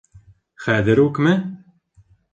Хәҙер үкме?